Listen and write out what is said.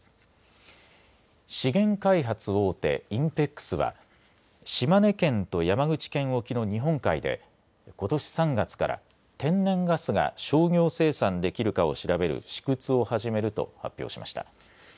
資源開発大手、ＩＮＰＥＸは島根県と山口県沖の日本海でことし３月から天然ガスが商業生産できるかを調べる試掘を始めると発表しました。